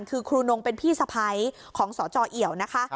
คือครูนงเป็นพี่สะไพรของสจเอี่ยว